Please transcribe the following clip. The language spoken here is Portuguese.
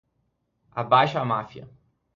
Abaixo à máfia.